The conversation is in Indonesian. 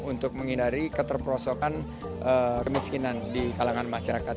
untuk menghindari keterperosokan kemiskinan di kalangan masyarakat